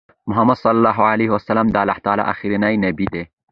محمد صلی الله عليه وسلم د الله تعالی آخرنی نبی دی